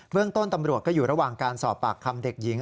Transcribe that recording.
เรื่องต้นตำรวจก็อยู่ระหว่างการสอบปากคำเด็กหญิง